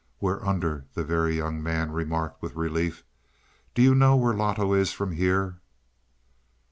"We're under," the Very Young Man remarked with relief. "Do you know where Loto is from here?"